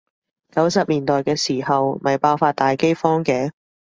九十年代嘅時候咪爆發大饑荒嘅？